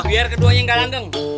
biar keduanya gak langgeng